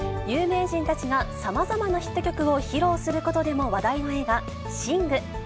有名人たちがさまざまなヒット曲を披露することでも話題の映画、シング。